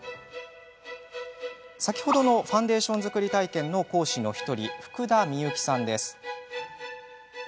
先ほどのファンデーション作り体験の講師の１人、福田美幸さんです。